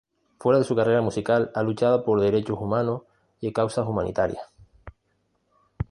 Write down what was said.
Fuera de su carrera musical, ha luchado por derechos humanos y causas humanitarias.